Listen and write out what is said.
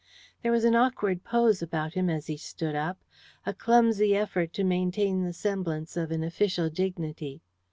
There was an awkward pose about him as he stood up a clumsy effort to maintain the semblance of an official dignity.